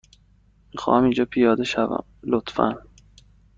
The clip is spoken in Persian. می خواهم اینجا پیاده شوم، لطفا.